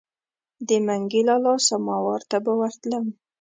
د منګي لالو سماوار ته به ورتللم.